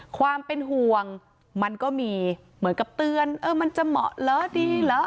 ความเป็นห่วงมันก็มีเหมือนกับเตือนเออมันจะเหมาะเหรอดีเหรอ